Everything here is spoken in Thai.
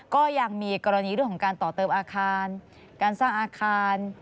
ก็ยังมีกรณีเรื่องของการต่อเติมอาคารการสร้างอาคาร